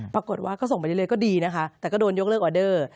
ปรากฏว่าก็ส่งไปเรื่อยก็ดีนะคะแต่ก็โดนยกเลิกออเดอร์